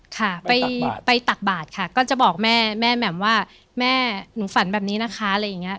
ค่ะไปตักบาทค่ะก็จะบอกแม่แม่แหม่มว่าแม่หนูฝันแบบนี้นะคะอะไรอย่างเงี้